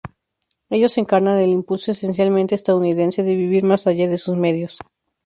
Ellos encarnan el impulso esencialmente estadounidense de vivir más allá de sus medios.